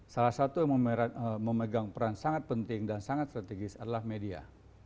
salah satu yang memegang peran sangat penting dan sangat strategis adalah media